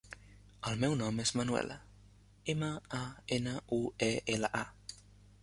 El meu nom és Manuela: ema, a, ena, u, e, ela, a.